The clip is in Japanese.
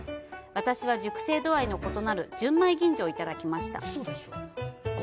私は、熟成度合いの異なる純米吟醸をいただきました。